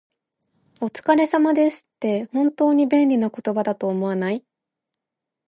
「お疲れ様です」って、本当に便利な言葉だと思わない？